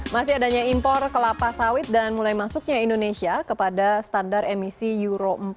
masih adanya impor kelapa sawit dan mulai masuknya indonesia kepada standar emisi euro empat